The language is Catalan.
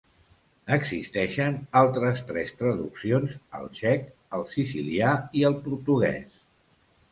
Existeixen altres tres traduccions al txec, al sicilià i al portuguès.